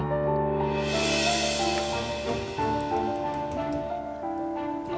karena keputusannya itu bukan seperti beliau sekali